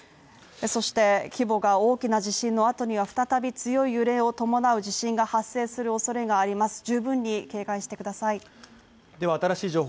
そして、規模が大きな地震の後には再び強い揺れを伴う地震が発生するおそれがあります十分に警戒してください。